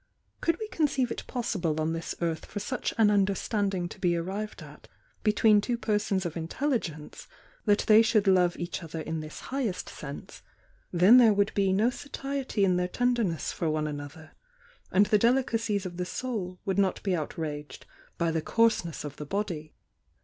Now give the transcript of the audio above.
Could we conceive it possible on this earth for such an understanding to be arrived at between two persons of intelligence that they should love each other in this hi^est sense, then there would be no satiety in their tenderness for one another, and the delicacies of the soul would not be out raged by the coarseness of the body.